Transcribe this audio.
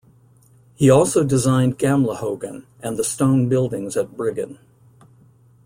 He also designed Gamlehaugen, and the stone buildings at Bryggen.